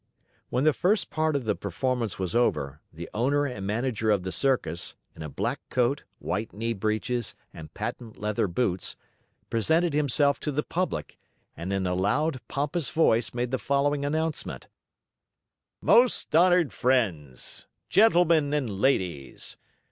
When the first part of the performance was over, the Owner and Manager of the circus, in a black coat, white knee breeches, and patent leather boots, presented himself to the public and in a loud, pompous voice made the following announcement: "Most honored friends, Gentlemen and Ladies!